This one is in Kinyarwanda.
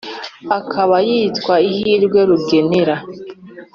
akaba yitwa ihirwe rugenera.